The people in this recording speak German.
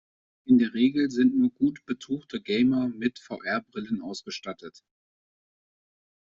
In der Regel sind nur gut betuchte Gamer mit VR-Brillen ausgestattet.